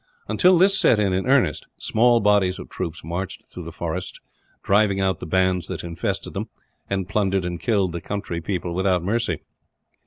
Until this set in in earnest, small bodies of troops marched through the forests; driving out the bands that infested them, and plundered and killed the country people without mercy.